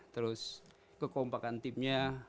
terus kekompakan timnya